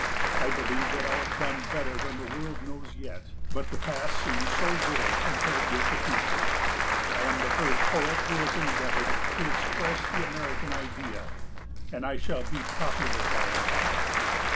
I believe that I have done better than the world knows yet; but the past seems so little compared with the future.... I am the first poet who has endeavored to express the American Idea, and I shall be popular by and by."